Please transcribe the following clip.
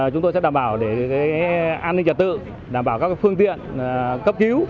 chúng tôi sẽ đảm bảo an ninh trật tự đảm bảo các phương tiện cấp cứu